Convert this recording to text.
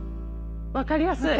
分かりやすい。